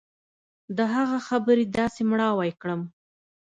د هغه خبرې داسې مړاوى کړم.